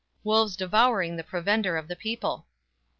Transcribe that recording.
Wolves devouring the provender of the people!